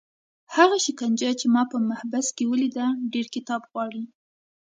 هغه شکنجه چې ما په محبس کې ولیده ډېر کتاب غواړي.